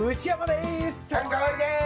チャンカワイです！